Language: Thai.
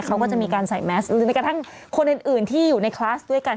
เขาก็จะมีการใส่แมสหรือแม้กระทั่งคนอื่นที่อยู่ในคลาสด้วยกัน